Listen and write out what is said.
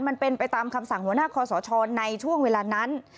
มันเป็นไปตามคำสั่งหัวหน้าคอสชในช่วงเวลานั้น